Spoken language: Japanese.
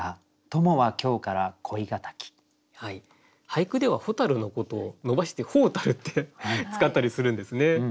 俳句では蛍のことを伸ばして「ほうたる」って使ったりするんですね。